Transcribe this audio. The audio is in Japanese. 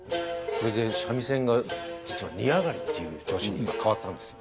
これで三味線が実は二上りっていう調子に変わったんですよ。